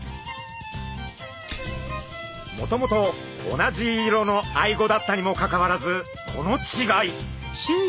もともと同じ色のアイゴだったにもかかわらずこの違い。